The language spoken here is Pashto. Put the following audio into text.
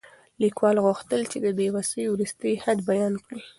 لیکوال غوښتل چې د بې وسۍ وروستی حد بیان کړي.